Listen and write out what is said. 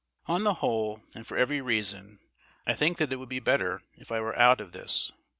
On the whole, and for every reason, I think that it would be better if I were out of this.